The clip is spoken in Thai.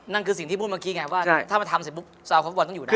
นั่นคือสิ่งที่พูดเมื่อกี้ไงว่าถ้ามาทำเสร็จปุ๊บสาวครอบครอบครัวต้องอยู่ด้าน